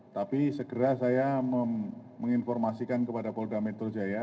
tapi segera saya menginformasikan kepada polda metro jaya